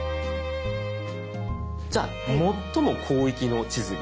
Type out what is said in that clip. じゃあ最も広域の地図に。